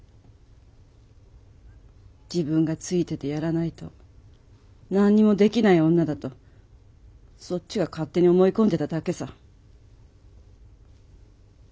自分がついててやらないと何にもできない女だとそっちが勝手に思い込んでただけさ。